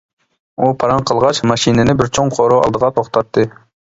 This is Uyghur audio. ئۇ پاراڭ قىلغاچ ماشىنىنى بىر چوڭ قورۇ ئالدىغا توختاتتى.